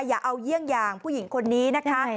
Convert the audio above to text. อย่าเอาเยี่ยงอย่างผู้หญิงคนนี้นะคะ